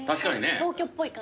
東京っぽい感じが。